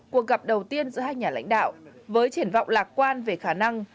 cuộc gặp đầu tiên giữa hai nhà lãnh đạo với triển vọng lạc quan về khả năng